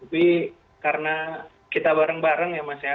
tapi karena kita bareng bareng ya mas ya